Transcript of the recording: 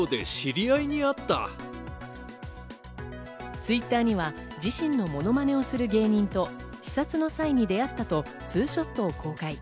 Ｔｗｉｔｔｅｒには自身のモノマネをする芸人と視察の際に出会ったとツーショットを公開。